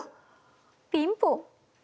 ピンポン！